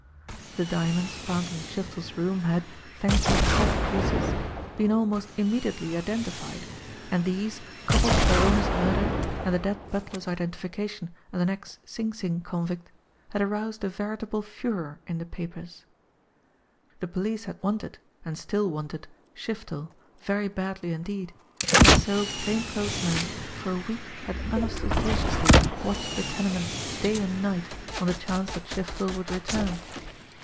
The diamonds found in Shiftel's room had, thanks to the set pieces, been almost immediately identified; and these, coupled with their owner's murder, and the dead butler's identification as an ex Sing Sing convict, had aroused a veritable furor in the papers. The police had wanted, and still wanted, Shiftel very badly indeed, and so plain clothes men for a week had unostentatiously watched the tenement dav and night on the chance that Shiftel would return.